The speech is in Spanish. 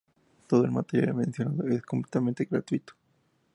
Todo el material mencionado es completamente gratuito.